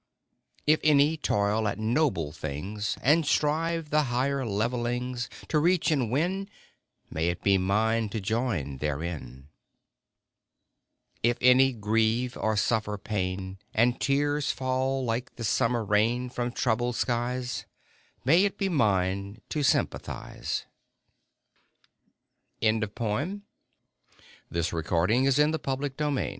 If any toil at noble things, And strive the higher levellings To reach and win, May it be mine to join therein. If any grieve or suffer pain, And tears fall like the summer rain From troubled skies, May it be mine to sympathize I [ 40] IN THE LIBRARY WHAT joy to sit at eve amo